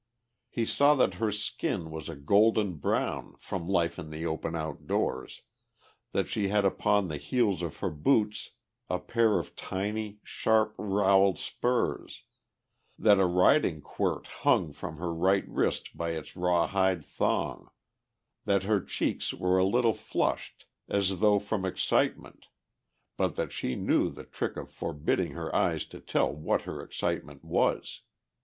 He saw that her skin was a golden brown from life in the open outdoors, that she had upon the heels of her boots a pair of tiny, sharp rowelled spurs, that a riding quirt hung from her right wrist by its rawhide thong, that her cheeks were a little flushed as though from excitement but that she knew the trick of forbidding her eyes to tell what her excitement was.